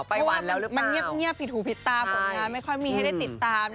ไปวันแล้วหรือเปล่าเพราะว่ามันเงียบผิดหูผิดตามผลงานไม่ค่อยมีให้ได้ติดตาม